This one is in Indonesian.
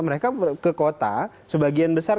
mereka ke kota sebagian besar